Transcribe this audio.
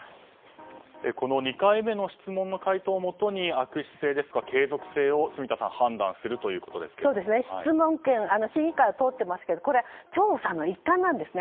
２回目の質問の回答をもとに悪質性ですとか継続性を住田さん審議会を通っていますが調査の一環なんですね。